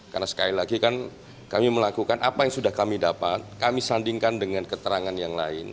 karena sekali lagi kami melakukan apa yang sudah kami dapat kami sandingkan dengan keterangan yang lain